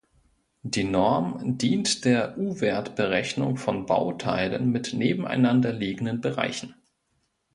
Die Norm dient der U-Wert-Berechnung von Bauteilen mit nebeneinander liegenden Bereichen.